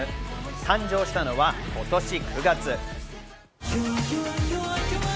誕生したのは今年９月。